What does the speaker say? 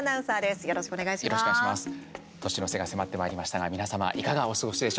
よろしくお願いします。